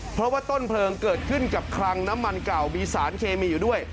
เพราะว่าต้นเพลิงเกิดขึ้นกับคลังน้ำมันเก่ามีสารเคมีอยู่ด้วย